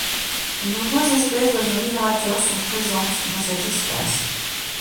De nombreuses espèces d'oiseaux migrateurs sont présentes dans cet espace.